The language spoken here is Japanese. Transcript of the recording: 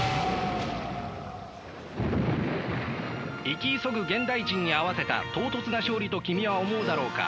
生き急ぐ現代人に合わせた唐突な勝利と君は思うだろうか。